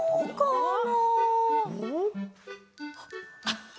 あっ！